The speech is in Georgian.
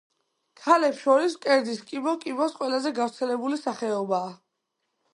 ქალებს შორის, მკერდის კიბო კიბოს ყველაზე გავრცელებული სახეობაა.